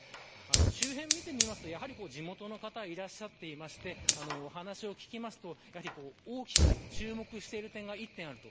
周辺を見ると地元の方がいらっしゃっていてお話を聞くと大きく注目している点が１点あると。